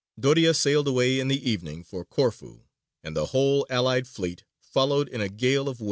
Doria sailed away in the evening for Corfu, and the whole allied fleet followed in a gale of wind.